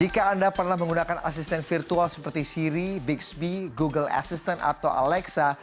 jika anda pernah menggunakan asisten virtual seperti siri bigsby google assistant atau alexa